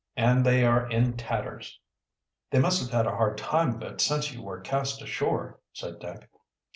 "And they are in tatters." "They must have had a hard time of it since you were cast ashore," said Dick.